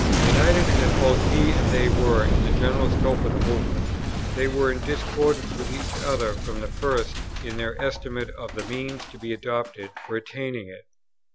United as both he and they were in the general scope of the Movement, they were in discordance with each other from the first in their estimate of the means to be adopted for attaining it.